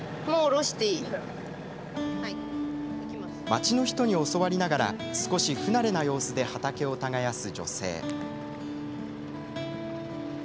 町の人に教わりながら少し不慣れな様子で畑を耕す女性。